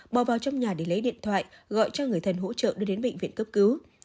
bò vào trong nhà để lấy điện thoại gọi cho người thân hỗ trợ đưa đến bệnh viện cấp cứu